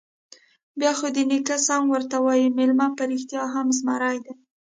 _بيا خو دې نيکه سم ورته وايي، مېلمه په رښتيا هم زمری دی.